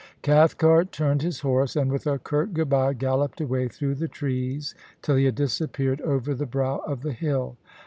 Cathcart turned his horse, and with a curt good bye galloped away through the trees, till he had disappeared over the brow of the hill.